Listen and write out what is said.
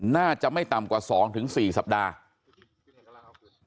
น่าจะไม่ต่ำกว่าสองถึงสี่สัปดาห์